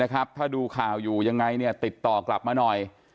ถ้าดูข่าวอยู่ยังไงติดต่อกลับมาหน่อย